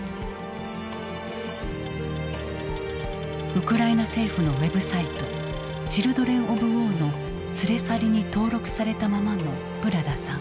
ウクライナ政府のウェブサイト「ＣＨＩＬＤＲＥＮＯＦＷＡＲ」の「連れ去り」に登録されたままのブラダさん。